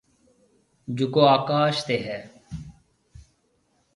جڪو آڪاش تي هيَ۔